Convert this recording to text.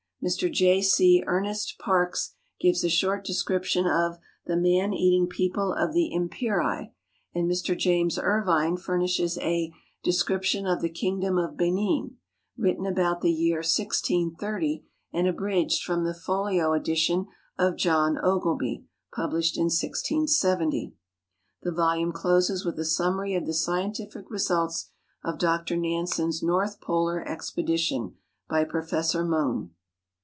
Mr J. C. Ernest Parkes gives a short description of " The Man Eating People of the Imperri," and Mr James Irvine furnishes a "Description of the Kingdom of Benin," written about the year 1630 and abridged from the folio edition of John Ogilby, published in 1670. The volume closes with a summary of the scientific results of Dr Nansen's North Polar Expedi tion, by Professor Mohn.